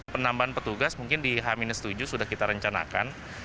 penambahan petugas mungkin di h tujuh sudah kita rencanakan